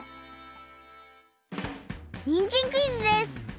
にんじんクイズです！